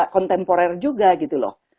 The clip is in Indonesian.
kontemporer juga gitu loh